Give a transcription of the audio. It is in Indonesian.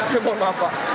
ya mohon maaf pak